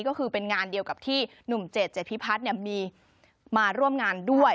ก็คือเป็นงานเดียวกับที่หนุ่มเจดเจพิพัฒน์มีมาร่วมงานด้วย